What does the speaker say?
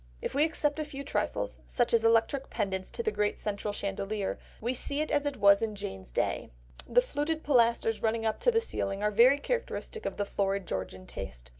If we except a few trifles, such as electric pendants to the great central chandelier, we see it as it was in Jane's day. The fluted pilasters running up to the ceiling are very characteristic of the florid Georgian taste.